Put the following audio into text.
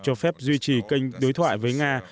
cho phép duy trì kênh đối thoại với nga